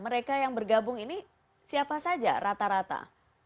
mereka yang bergabung ini siapa saja rata rata